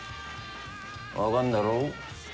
分かんだろ？